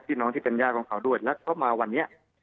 พี่น้องที่เป็นย่าของเขาด้วยแล้วเขามาวันนี้